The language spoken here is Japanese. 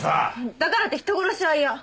だからって人殺しは嫌。